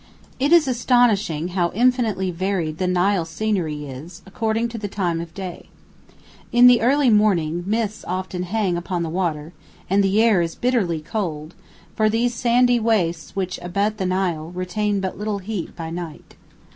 It is astonishing how infinitely varied the Nile scenery is according to the time of day. In the early morning, mists often hang upon the water, and the air is bitterly cold, for these sandy wastes which abut upon the Nile retain little heat by night.